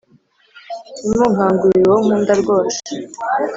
ntimunkangurire uwo nkunda rwose